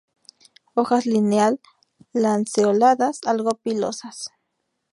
Hojas lineal-lanceoladas, algo pilosas.